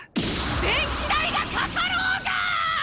電気代がかかろうが！